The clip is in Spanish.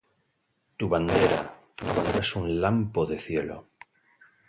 Tu bandera, tu bandera es un lampo de cielo